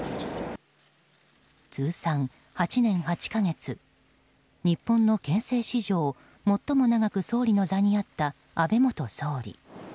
通算８年８か月日本の憲政史上最も長く総理の座にあった安倍元総理。